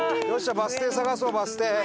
バス停探そうバス停。